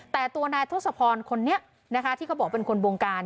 แต่ตัวนายทศพรคนนี้นะคะที่เขาบอกเป็นคนวงการ